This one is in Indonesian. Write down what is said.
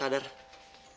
tahu dari mana